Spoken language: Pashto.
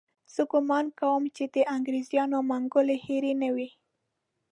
زه ګومان کوم چې د انګریزانو منګولې هېرې نه وي.